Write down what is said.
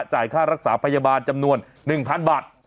จ่ายค่ารักษาพยาบาลจำนวน๑๐๐๐บาท